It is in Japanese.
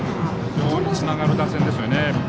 非常につながる打線ですよね。